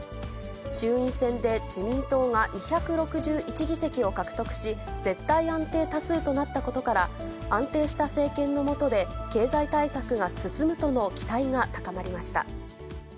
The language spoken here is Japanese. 衆院選で自民党が２６１議席を獲得し、絶対安定多数となったことから、安定した政権の下で、経済対策が進むとの期待が高まりました。